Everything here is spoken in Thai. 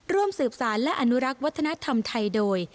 ร่วมสืบสารและอนุรักษ์วัฒนธรรมไทยโดย